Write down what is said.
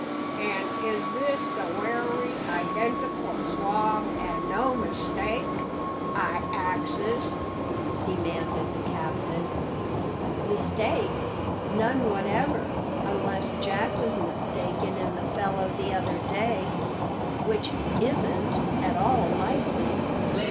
"An' is this the wery identical swab, an' no mistake? I axes," demanded the captain. "Mistake? None whatever, unless Jack was mistaken in the fellow the other day, which isn't at all likely.